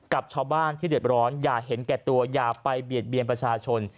กับชาวบ้านที่เดือดร้อนอย่าเห็นแก่ตัวอย่าไปเบียดเบียนประชาชน